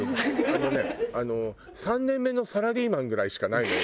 あのね３年目のサラリーマンぐらいしかないのよ